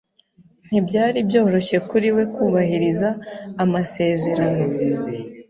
Ntibyari byoroshye kuri we kubahiriza amasezerano.